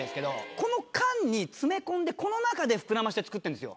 この缶に詰め込んでこの中で膨らませて作ってるんですよ。